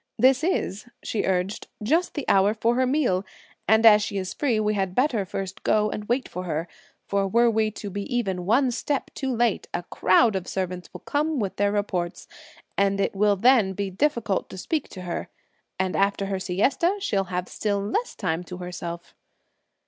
"This is," she urged, "just the hour for her meal, and as she is free we had better first go and wait for her; for were we to be even one step too late, a crowd of servants will come with their reports, and it will then be difficult to speak to her; and after her siesta, she'll have still less time to herself."